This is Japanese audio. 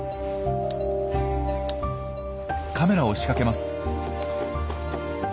カメラを仕掛けます。